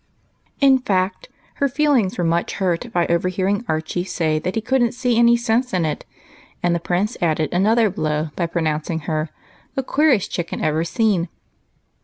In fact, her feelings were much hurt by overhearing Archie say that he could n't see any sense in it ; and the Prince added another blow by pronouncing her "the queerest chicken ever seen."